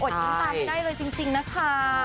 ยิ้มตามไม่ได้เลยจริงนะคะ